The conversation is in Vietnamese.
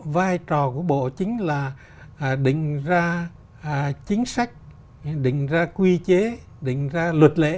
vai trò của bộ chính là định ra chính sách định ra quy chế định ra luật lệ